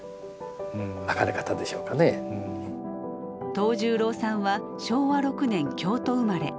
藤十郎さんは昭和６年京都生まれ。